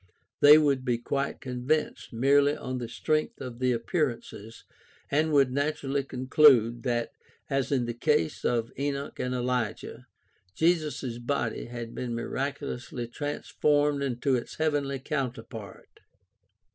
They would be quite convinced merely on the strength of the appearances, and would naturally conclude that, as in the case of Enoch and Elijah, Jesus' body had been miraculously transformed into its heavenly counterpart.